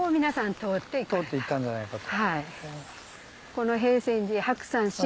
通って行ったんじゃないかと。